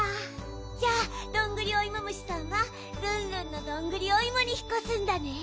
じゃあどんぐりおいも虫さんはルンルンのどんぐりおいもにひっこすんだね？